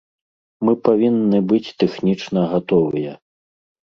Мы павінны быць тэхнічна гатовыя.